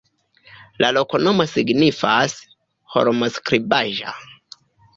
La loknomo signifas: holmo-skribaĵa.